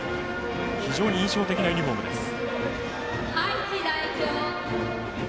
非常に印象的なユニフォームです。